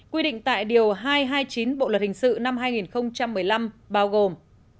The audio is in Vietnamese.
quy định tại điều hai trăm hai mươi chín bộ luật hình sự năm hai nghìn một mươi năm